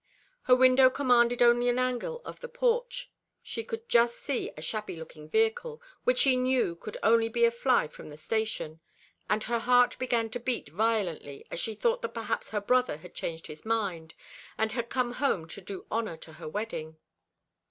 Her window commanded only an angle of the porch. She could just see a shabby looking vehicle, which she knew could only be a fly from the station; and her heart began to beat violently as she thought that perhaps her brother had changed his mind, and had come home to do honour to her wedding.